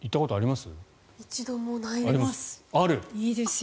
一度もないです。